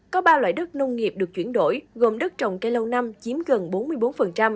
có ba loại đất nông nghiệp được chuyển đổi gồm đất trồng cây lâu năm chiếm gần bốn mươi bốn